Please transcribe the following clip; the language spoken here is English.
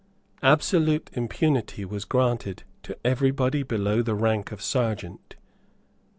Absolute impunity was granted to everybody below the rank of Serjeant.